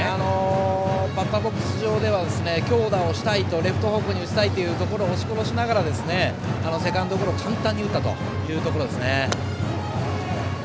バッターボックス上では強打をしたいとレフト方向に打ちたいところを押し殺してセカンドゴロを簡単に打ったところですね。